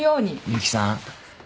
ゆきさん。